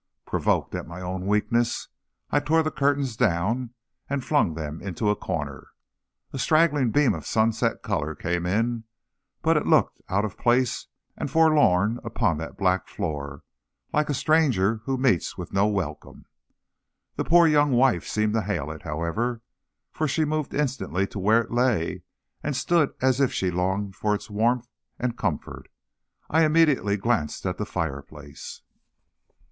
Provoked at my own weakness, I tore the curtains down and flung them into a corner. A straggling beam of sunset color came in, but it looked out of place and forlorn upon that black floor, like a stranger who meets with no welcome. The poor young wife seemed to hail it, however, for she moved instantly to where it lay and stood as if she longed for its warmth and comfort. I immediately glanced at the fireplace.